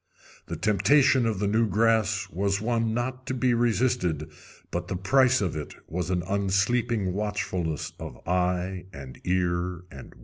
The temptation of the new grass was one not to be resisted, but the price of it was an unsleeping watchfulness of eye and ear and wits.